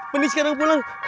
benih sekarang pulang